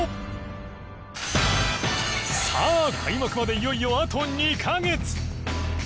さあ開幕までいよいよあと２カ月。